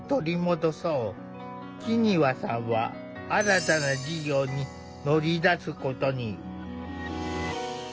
木庭さんは新たな事業に乗り出すことに。